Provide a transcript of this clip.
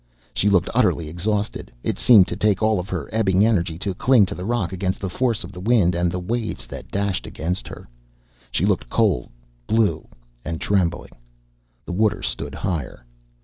She looked utterly exhausted; it seemed to take all her ebbing energy to cling to the rock against the force of the wind and the waves that dashed against her. She looked cold, blue and trembling. The water stood higher.